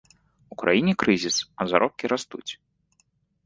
У краіне крызіс, а заробкі растуць.